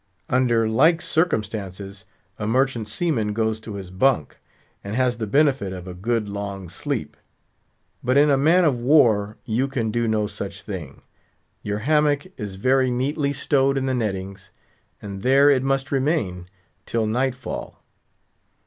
Under like circumstances, a merchant seaman goes to his bunk, and has the benefit of a good long sleep. But in a man of war you can do no such thing; your hammock is very neatly stowed in the nettings, and there it must remain till nightfall.